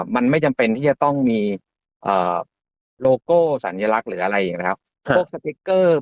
มันไม่จำเป็นที่จะต้องมีโลโก้สัญลักษณ์หรืออะไรอีกนะครับ